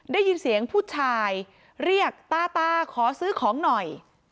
ได้ยินเสียงผู้ชายเรียกตาตาขอซื้อของหน่อย